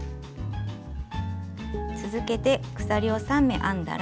続けて鎖を３目編んだら。